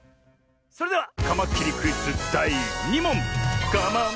それではカマキリクイズだい２もん。